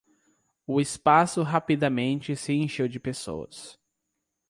O espaço rapidamente se encheu de pessoas.